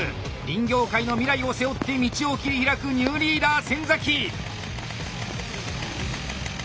林業界の未来を背負って道を切り開くニューリーダー先！